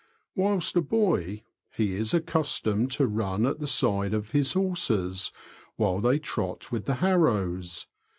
'' Whilst a boy, he is accustomed to run at the side of his horses while they trot with the harrows.